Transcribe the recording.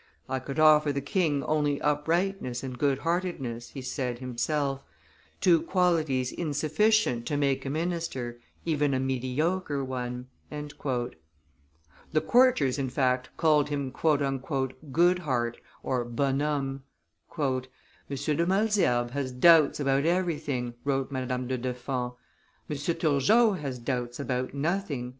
"I could offer the king only uprightness and good heartedness," he said himself, "two qualities insufficient to make a minister, even a mediocre one." The courtiers, in fact, called him "good heart" (bonhomme). "M. de Malesherbes has doubts about everything," wrote Madame du Deffand; "M. Turgot has doubts about nothing."